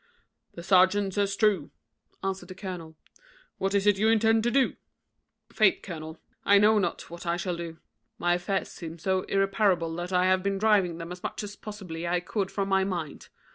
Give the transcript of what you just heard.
"The serjeant says true," answered the colonel. "What is it you intend to do?" "Faith, colonel, I know not what I shall do. My affairs seem so irreparable, that I have been driving them as much as possibly I could from my mind.